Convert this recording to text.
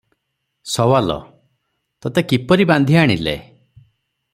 ସୱାଲ - ତୋତେ କିପରି ବାନ୍ଧି ଆଣିଲେ?